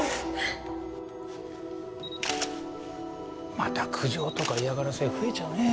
また苦情とか嫌がらせ増えちゃうね。